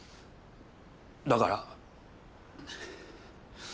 だから。